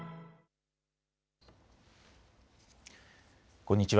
こんにちは。